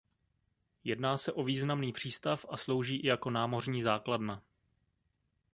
Jedná se o významný přístav a slouží i jako námořní základna.